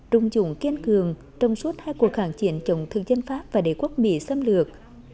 rung rùng kiên cường trong suốt hai cuộc kháng chiến chống thương dân pháp và đế quốc mỹ xâm lược